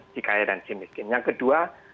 jika rakyat dan si miskin yang kedua